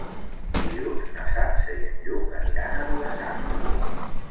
Dilluns na Sança i en Lluc aniran a Vila-sacra.